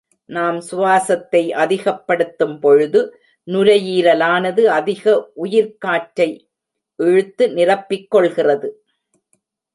நாம் சுவாசத்தை அதிகப்படுத்தும் பொழுது நுரையீரலானது அதிக உயிர்க்காற்றை இழுத்து நிரப்பிக்கொள்கிறது.